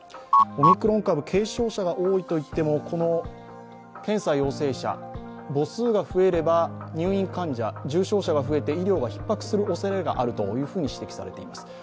オミクロン株、軽症者が多いといっても、検査陽性者母数が増えれば入院患者、重症者が増えて医療がひっ迫するおそれがあると指摘されています。